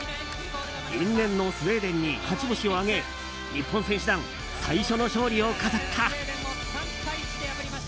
因縁のスウェーデンに勝ち星を挙げ日本選手団、最初の勝利を飾った。